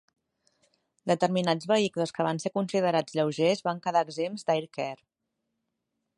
Determinats vehicles que van ser considerats lleugers van quedar exempts d'AirCare.